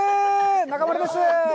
中丸です。